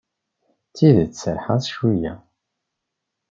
D tidet serrḥeɣ-as cweyya.